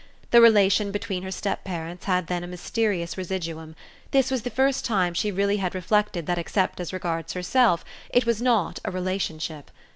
The relation between her step parents had then a mysterious residuum; this was the first time she really had reflected that except as regards herself it was not a relationship.